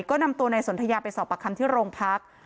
ก็นำตัวนายสนทยาไปสอบประคำที่โรงพัก